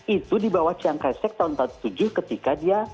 itu di bawah chiang kai shek tahun dua ribu tujuh ketika dia pindah dan membangun